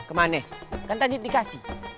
kemana kan tanjik dikasih